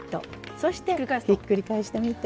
そしてひっくり返してみて。